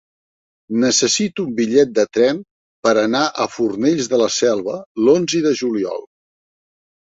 Necessito un bitllet de tren per anar a Fornells de la Selva l'onze de juliol.